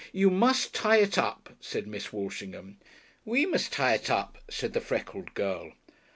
"You must tie it up," said Miss Walshingham. "We must tie it up," said the freckled girl.